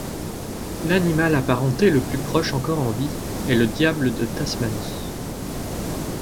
L’animal apparenté le plus proche encore en vie est le diable de Tasmanie.